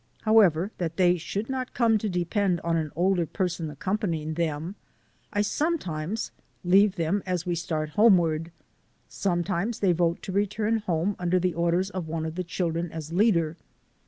However, that they should not come to depend on an older person accompanying them, I sometimes leave them as we start homeward. Sometimes they vote to return home under the orders of one of the children as leader.